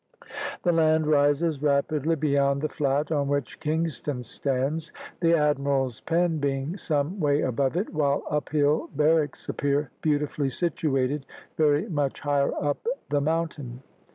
The land rises rapidly beyond the flat on which Kingston stands, the Admiral's Pen being some way above it, while Up Hill Barracks appear beautifully situated very much higher up the mountain.